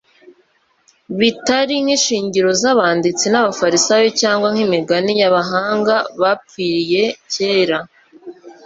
bitari nk'inyigisho z'abanditsi n'abafarisayo cyangwa nk'imigani y'abahanga bapfilye kera;